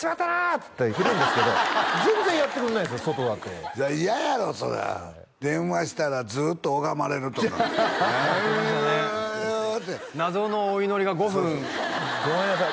っつって振るんですけど全然やってくんないんすよ外だと嫌やろそりゃあ電話したらずっと拝まれるとか「あうあう」って謎のお祈りが５分ごめんなさい